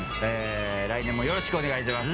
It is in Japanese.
来年もよろしくお願いします。